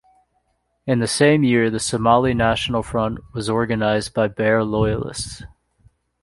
In the same year the Somali National Front was organized by Barre loyalists.